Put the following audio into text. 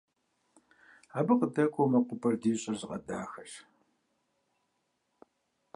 Абы къыдэкӀуэу мэкъупӀэр ди щӀыр зыгъэдахэщ.